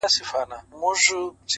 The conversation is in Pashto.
له دغي لويي وچي وځم!